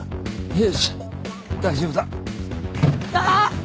よし大丈夫だ。